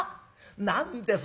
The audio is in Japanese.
何です？